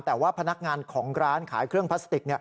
แต่ว่าพนักงานของร้านขายเครื่องพลาสติก